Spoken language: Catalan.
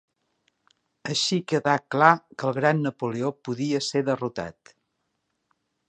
Així quedà clar que el gran Napoleó podia ser derrotat.